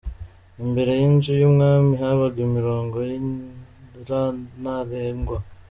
Imbere y’inzu y’umwami habaga umurongo Nyirantarengwa.